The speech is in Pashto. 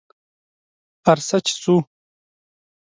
ارڅه چې څو